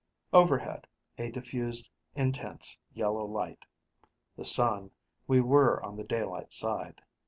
Overhead, a diffused, intense yellow light. The sun we were on the daylight side.